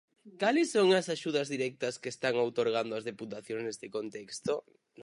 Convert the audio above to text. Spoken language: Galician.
¿Cales son as axudas directas que están outorgando as deputacións neste contexto?